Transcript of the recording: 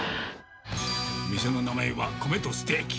店の名前は、コメトステーキ。